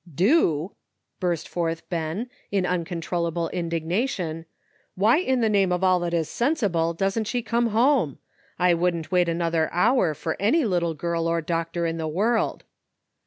["Do!" burst forth Ben, in uncontrollable indignation, " why in the name of all that is sensible doesn't she come home? I wouldn't wait another hour for any little girl or doc tor in the world."